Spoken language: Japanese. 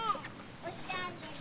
押してあげる。